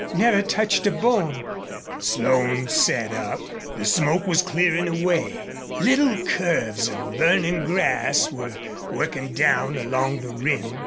"Never touched a bone!" Slone sat up. The smoke was clearing away. Little curves of burning grass were working down along the rim.